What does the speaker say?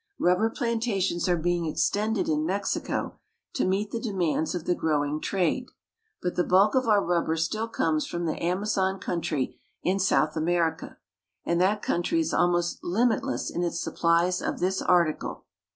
Rubber plantations are being extended in Mexico to meet the demands of the growing trade, but the bulk of our rubber still comes from the Amazon country in South America, and that country is almost limitless in its supplies of this article.